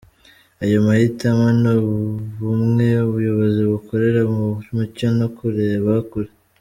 Ayo mahitamo ni ubumwe, ubuyobozi bukorera mu mucyo no kureba kure.